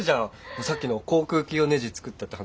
さっきの航空機用ねじ作ったって話。